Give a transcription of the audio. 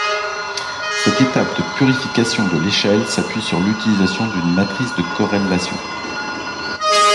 Cette étape de purification de l'échelle s'appuie sur l'utilisation d'une matrice de corrélation.